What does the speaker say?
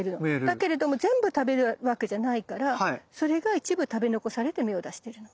だけれども全部食べるわけじゃないからそれが一部食べ残されて芽を出してるの。